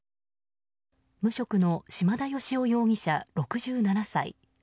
無職の島田良雄容疑者、６７歳。